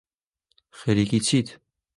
خەریکی چیت